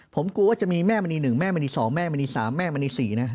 ผมกลัวว่าจะมีแม่มณีหนึ่งแม่มณีสองแม่มณีสามแม่มณีสี่นะครับ